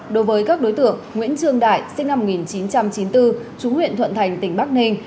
đối với các đối tượng nguyễn trương đại sinh năm một nghìn chín trăm chín mươi bốn chú huyện thuận thành tỉnh bắc ninh